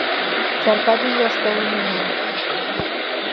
Чарка ден йӱаш толын онал